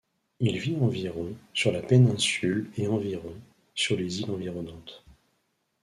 Il vit environ sur la péninsule et environ sur les îles environnantes.